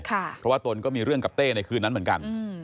เพราะว่าตนก็มีเรื่องกับเต้ในคืนนั้นเหมือนกัน